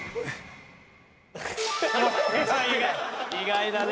意外だね。